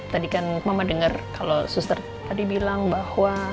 tadi kan mama dengar kalau suster tadi bilang bahwa